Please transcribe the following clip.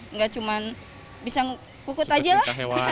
nggak cuman bisa ngukut aja lah